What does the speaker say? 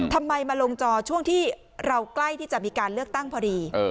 ทำไมมาลงจอช่วงที่เราใกล้ที่จะมีการเลือกตั้งพอดี